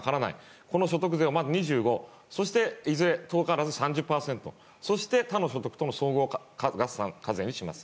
ですので所得税を２５そしていずれ遠からず３０％そして他の所得との総合課税にします。